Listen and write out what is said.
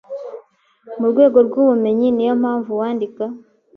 mu rwego rw’ubumenyi ni yo mpamvu uwandika